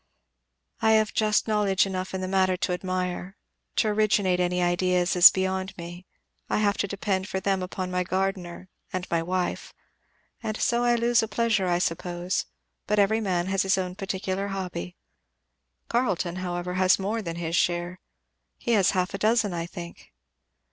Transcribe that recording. "I have just knowledge enough in the matter to admire; to originate any ideas is beyond me; I have to depend for them upon my gardener, and my wife and so I lose a pleasure, I suppose; but every man has his own particular hobby. Carleton, however, has more than his share he has half a dozen, I think."